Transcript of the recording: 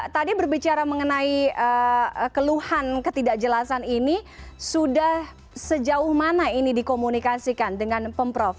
tadi berbicara mengenai keluhan ketidakjelasan ini sudah sejauh mana ini dikomunikasikan dengan pemprov